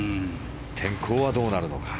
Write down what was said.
天候はどうなるのか。